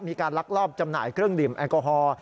ลักลอบจำหน่ายเครื่องดื่มแอลกอฮอล์